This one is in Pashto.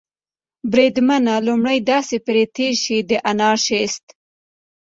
بریدمنه، لومړی تاسې پرې تېر شئ، د انارشیست.